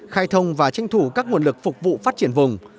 khai thông và tranh thủ các nguồn lực phục vụ phát triển vùng